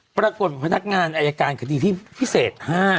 พนักงานอายการคดีที่พิเศษ๕